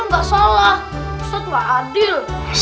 padahal kan rikal gak salah